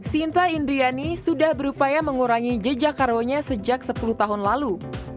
sinta indriani sudah berupaya mengurangi jejak karbonya sejak sepuluh tahun lalu